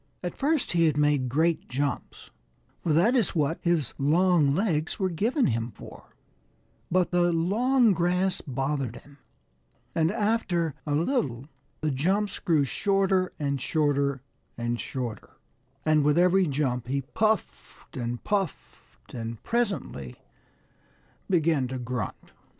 At first he had made great jumps, for that is what his long legs were given him for; but the long grass bothered him, and after a little the jumps grew shorter and shorter and shorter, and with every jump he puffed and puffed and presently began to grunt.